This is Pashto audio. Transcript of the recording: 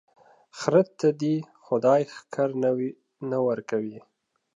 خره ته دي خداى ښکر نه ور کوي،